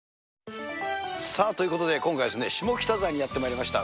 さあ、ということで今回、下北沢にやってまいりました。